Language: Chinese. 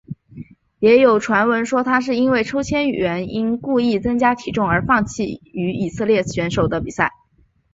也有传闻说他是因为抽签原因故意增加体重而放弃与以色列选手的比赛。